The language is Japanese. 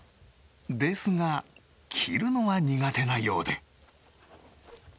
ですが切るのは苦手なようで。